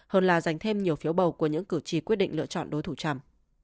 hơn là giành thêm nhiều phiếu bầu của những cử tri quyết định lựa chọn đối thủ trump